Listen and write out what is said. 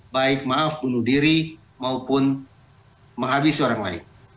baik maaf bunuh diri maupun menghabisi orang lain